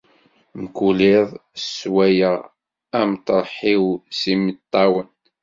Mkul iḍ, swayeɣ ameṭreḥ-iw s yimeṭṭawen.